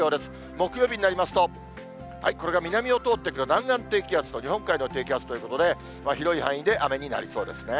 木曜日になりますと、これが南を通ってくる、南岸低気圧と日本海の低気圧ということで、広い範囲で雨になりそうですね。